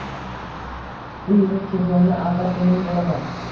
Bu yilning chempioni albatta men bo‘laman.